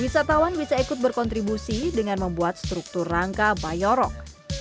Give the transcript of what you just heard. wisatawan bisa ikut berkontribusi dengan membuat struktur rangka bayorok